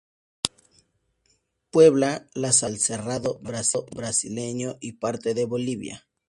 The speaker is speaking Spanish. Puebla las sabanas del cerrado brasileño y parte de Bolivia.